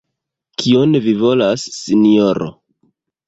Kion vi volas, sinjoro?